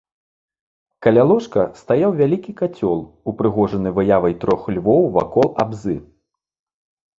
Каля ложка стаяў вялікі кацёл, упрыгожаны выявай трох львоў вакол абзы.